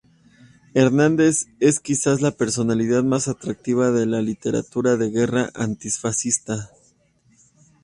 Hernández es quizás la personalidad más atractiva de la literatura de guerra antifascista.